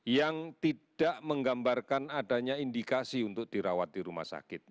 yang tidak menggambarkan adanya indikasi untuk dirawat di rumah sakit